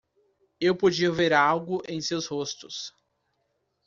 Eu podia ver algo em seus rostos.